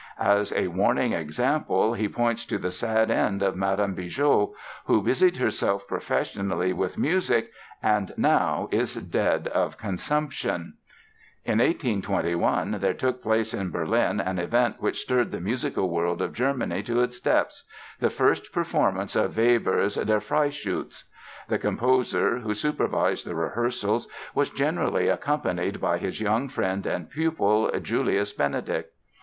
As a warning example he points to the sad end of Madame Bigot, who busied herself professionally with music and now is dead of consumption! [Illustration: Mendelssohn at the age of eleven. Sketch by an unknown artist.] In 1821 there took place in Berlin an event which stirred the musical world of Germany to its depths—the first performance of Weber's "Der Freischütz". The composer, who supervised the rehearsals, was generally accompanied by his young friend and pupil, Julius Benedict.